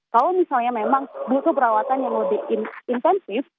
kalau misalnya memang butuh perawatan yang lebih intensif